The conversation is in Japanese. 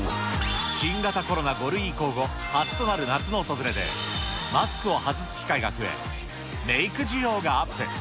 新型コロナ５類移行後、初となる夏の訪れで、マスクを外す機会が増え、メーク需要がアップ。